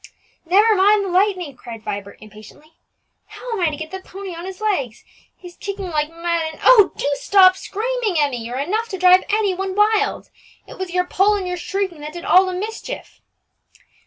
"Never mind the lightning," cried Vibert impatiently. "How am I to get the pony on his legs? he's kicking like mad; and, oh! do stop screaming, Emmie, you're enough to drive any one wild. It was your pull and your shrieking that did all the mischief."